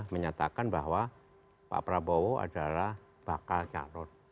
menyatakan bahwa pak prabowo adalah bakal calon